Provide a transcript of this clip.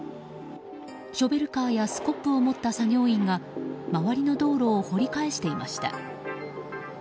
ショベルカーやスコップを持った作業員が周りの道路を掘り返していました。